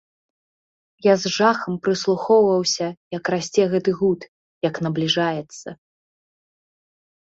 Я з жахам прыслухоўваўся, як расце гэты гуд, як набліжаецца.